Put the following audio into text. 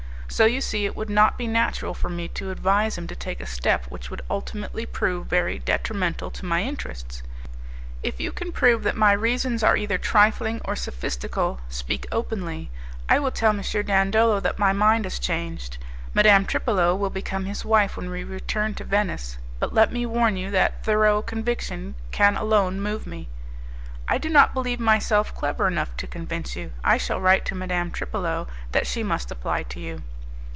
So you see it would not be natural for me to advise him to take a step which would ultimately prove very detrimental to my interests. If you can prove that my reasons are either trifling or sophistical, speak openly: I will tell M. Dandolo that my mind has changed; Madame Tripolo will become his wife when we return to Venice. But let me warn you that thorough conviction can alone move me." "I do not believe myself clever enough to convince you. I shall write to Madame Tripolo that she must apply to you."